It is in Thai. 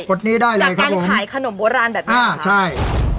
กดหนี้ได้เลยครับผมอ่าใช่